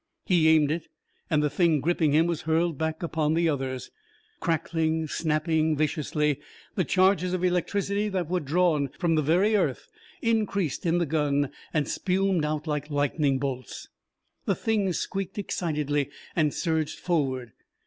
He aimed it, and the Thing gripping him was hurled back upon the others. Crackling, snapping viciously, the charges of electricity that were drawn from the very earth increased in the gun and spumed out like lightning bolts. The Things squeaked excitedly and surged forward.